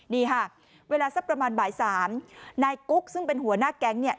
นี่ค่ะเวลาสักประมาณบ่ายสามนายกุ๊กซึ่งเป็นหัวหน้าแก๊งเนี่ย